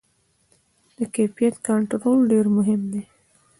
د کیفیت کنټرول ډېر مهم دی.